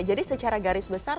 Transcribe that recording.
jadi secara garis besar